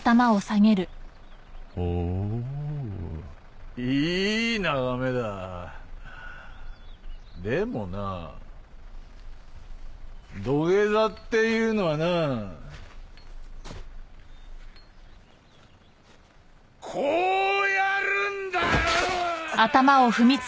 ほういい眺めだでもな土下座っていうのはなこうやるんだよー！